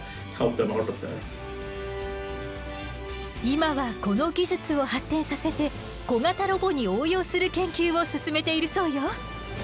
今はこの技術を発展させて小型ロボに応用する研究を進めているそうよ。